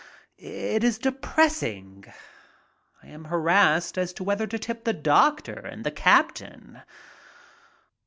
It is depressing. I am harassed as to whether to tip the doctor and the captain.